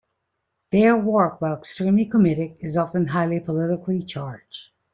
Their work, while extremely comedic, is often highly politically charged.